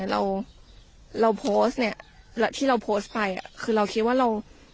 เราเราเนี้ยที่เราไปอ่ะคือเราคิดว่าเรา